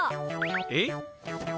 えっ？